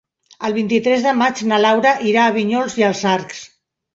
El vint-i-tres de maig na Laura irà a Vinyols i els Arcs.